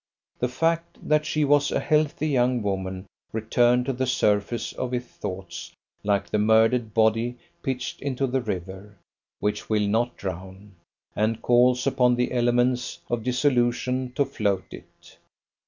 The fact that she was a healthy young woman returned to the surface of his thoughts like the murdered body pitched into the river, which will not drown, and calls upon the elements of dissolution to float it.